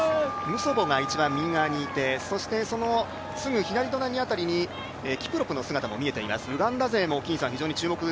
ムソボが一番右側にいてそして、すぐ左隣辺りにキプロプの姿も見えています。